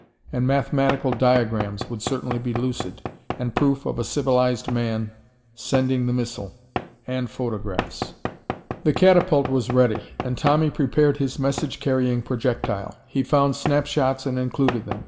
And mathematical diagrams would certainly be lucid, and proof of a civilized man sending the missile, and photographs.... The catapult was ready, and Tommy prepared his message carrying projectile. He found snapshots and included them.